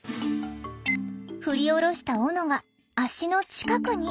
振り下ろしたオノが足の近くに。